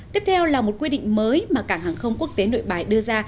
tiếp theo là một quy định mới mà cảng hàng không quốc tế nội bài đưa ra